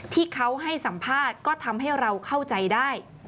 ที่เขาให้สัมภาษณ์ก็ทำให้เราเข้าใจได้